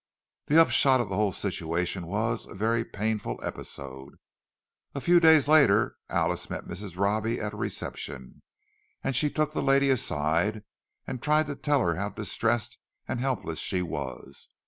The upshot of the whole situation was a very painful episode. A few days later Alice met Mrs. Robbie at a reception; and she took the lady aside, and tried to tell her how distressed and helpless she was.